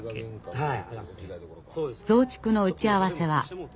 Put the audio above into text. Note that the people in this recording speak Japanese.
はい。